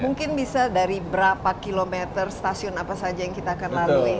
mungkin bisa dari berapa kilometer stasiun apa saja yang kita akan lalui